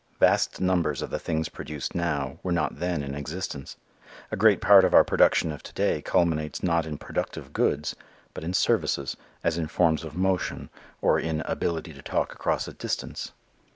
Vast numbers of the things produced now were not then in existence. A great part of our production of to day culminates not in productive goods, but in services, as in forms of motion, or in ability to talk across a distance.